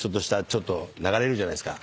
ちょっと流れるじゃないですか。